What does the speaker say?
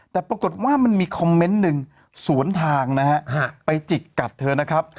แต่ปรากฏว่ามันมีคอมเมนต์หนึ่งสวนทางนะฮะไปจิกกัดเธอนะครับ